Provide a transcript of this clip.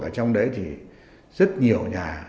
ở trong đấy thì rất nhiều nhà